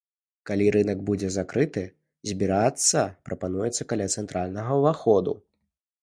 Калі рынак будзе закрыты, збірацца прапануецца каля цэнтральнага ўваходу.